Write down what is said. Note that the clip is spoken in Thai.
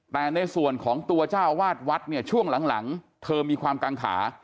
แต่ในส่วนของตัวเจ้าวาดวัดเนี่ยช่วงหลังเธอมีความกังขา